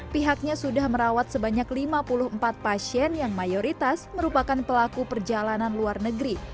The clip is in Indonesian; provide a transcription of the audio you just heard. pihaknya sudah merawat sebanyak lima puluh empat pasien yang mayoritas merupakan pelaku perjalanan luar negeri